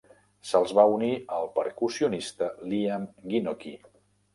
Se'ls va unir el percussionista Liam Genockey.